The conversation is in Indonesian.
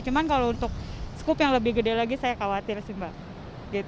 cuma kalau untuk skup yang lebih gede lagi saya khawatir sih mbak